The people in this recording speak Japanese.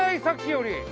さっきより。